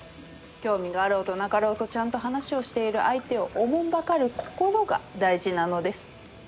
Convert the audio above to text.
興味があろうとなかろうとちゃんと話をしている相手を慮る心が大事なのです。